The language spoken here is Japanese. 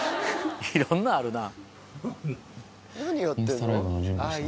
いろんなのあるな。